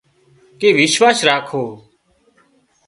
ڪي وشواس راکو